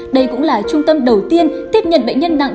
đây cũng là trung tâm đầu tiên tiếp nhận bệnh nhân nặng